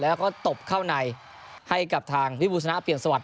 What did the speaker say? แล้วก็ตบเข้าในให้กับทางวิบูสนะเปลี่ยนสวัส